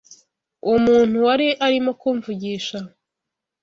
uwo muntu wari arimo kumvugisha